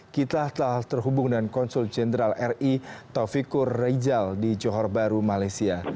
kita telah terhubung dengan konsul jenderal ri taufikur rejal di johor baru malaysia